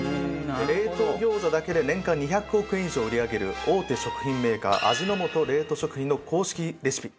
冷凍餃子だけで年間２００億円以上を売り上げる大手食品メーカー味の素冷凍食品の公式レシピ。